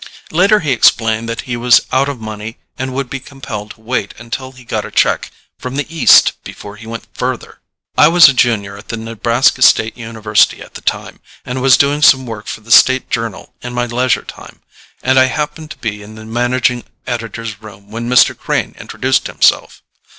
Later he explained that he was out of money and would be compelled to wait until he got a check from the East before he went further. I was a Junior at the Nebraska State University at the time, and was doing some work for the State Journal in my leisure time, and I happened to be in the managing editor's room when Mr. Crane introduced himself.